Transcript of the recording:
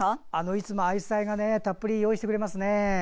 いつも愛妻がたっぷり用意してくれますね。